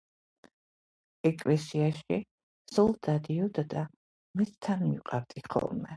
ეკლესიაში სულ დადიოდა და მეც თან მივყავდი ხოლმე